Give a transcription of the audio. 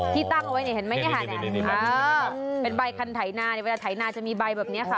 ที่ตั้งเอาไว้เห็นไหมเป็นใบคันไถนาเวลาไถนาจะมีใบแบบนี้ค่ะ